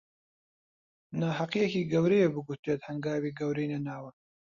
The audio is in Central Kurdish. ناهەقییەکی گەورەیە بگوترێت هەنگاوی گەورەی نەناوە